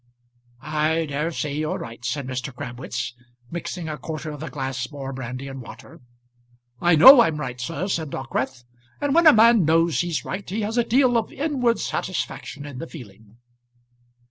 "I dare say you're right," said Mr. Crabwitz, mixing a quarter of a glass more brandy and water. "I know I'm right, sir," said Dockwrath. "And when a man knows he's right, he has a deal of inward satisfaction in the feeling."